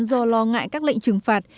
do lo ngại các lệnh trừng phạt